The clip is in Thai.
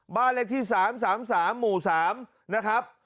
บ้านเลขที่๓๓หมู่๓นะครับ